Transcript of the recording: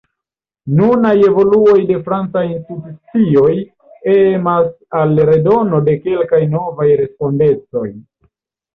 Nunaj evoluoj de francaj institucioj emas al redono de kelkaj novaj respondecoj.